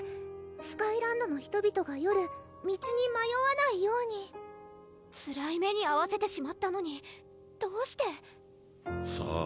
スカイランドの人々が夜道にまよわないようにつらい目にあわせてしまったのにどうしてさぁ？